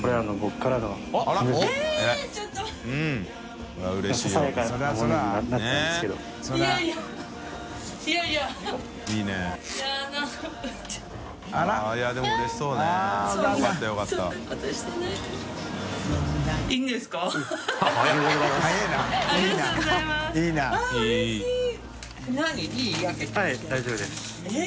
董はい大丈夫です。